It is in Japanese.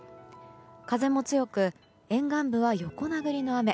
風も強く沿岸部は横殴りの雨。